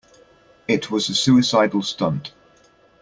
It was a suicidal stunt.